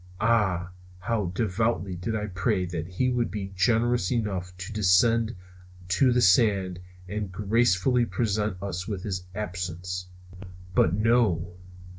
Ah, how devoutly I did pray that he would be generous enough to descend to the sands and gracefully present us with his absence. But no!